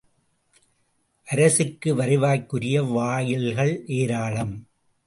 அரசுக்கு வருவாய்க்குரிய வாயில்கள் ஏராளம்!